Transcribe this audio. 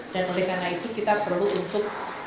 dan oleh karena itu kita perlu untuk